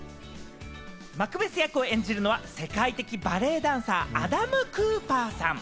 マクベス役を演じるのは世界的バレエダンサー、アダム・クーパーさん。